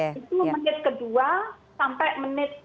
itu menit kedua sampai menit ke dua